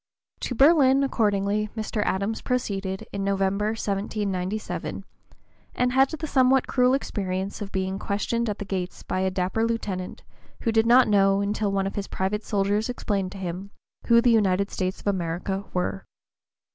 To Berlin, accordingly, Mr. Adams proceeded in November, 1797, and had the somewhat cruel experience of being "questioned at the gates by a dapper lieutenant, who did not know, until one of his private soldiers explained to him, who the United States of America were."